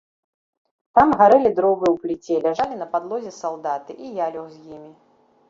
Там гарэлі дровы ў пліце, ляжалі на падлозе салдаты, і я лёг з імі.